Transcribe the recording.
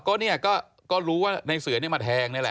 ก็รู้ว่าในเสือมาแทงนี่แหละ